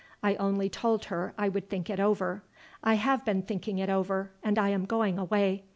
I only told her I would think it over. I have been thinking it over, and I am going away.